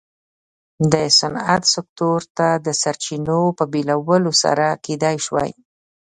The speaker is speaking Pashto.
د صنعت سکتور ته د سرچینو په بېلولو سره کېدای شوای.